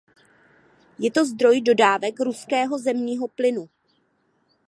Je to zdroj dodávek ruského zemního plynu.